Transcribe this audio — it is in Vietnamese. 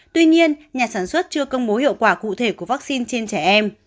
tuy nhiên nhà sản xuất chưa công bố hiệu quả cụ thể của vắc xin trên trẻ em